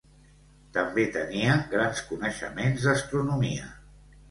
També tenia grans coneixements d'astronomia.